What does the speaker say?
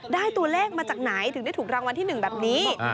ได้ตัวเลขมาจากไหนถึงได้ถูกรางวัลที่๑แบบนี้